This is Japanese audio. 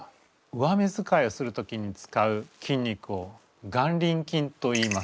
上目遣いをする時に使う筋肉を眼輪筋といいます。